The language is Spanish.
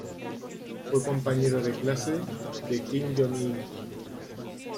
Fue compañero de clase de Kim Jong-il.